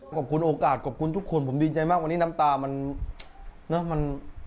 ขอบคุณโอกาสขอบคุณทุกคนผมดีใจมากวันนี้น้ำตามันเนอะ